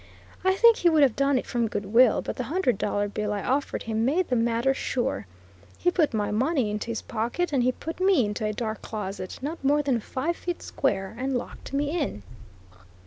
I think he would have done it from good will, but the hundred dollar bill I offered him made the matter sure. He put my money into his pocket, and he put me into a dark closet, not more than five feet square, and locked me in.